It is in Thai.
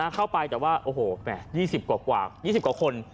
เข้าไปแต่ว่าโอ้โห๒๐กว่า๒๐กว่าคน